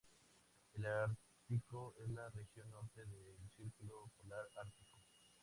El Ártico es la región norte del círculo polar ártico.